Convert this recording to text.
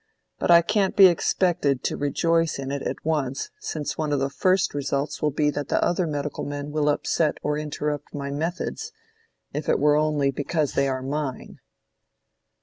"But I can't be expected to rejoice in it at once, since one of the first results will be that the other medical men will upset or interrupt my methods, if it were only because they are mine."